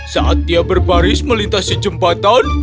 saat dia berbaris melintasi jembatan